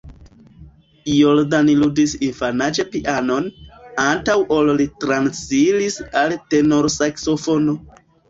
Jordan ludis infanaĝe pianon, antaŭ ol li transiris al tenorsaksofono.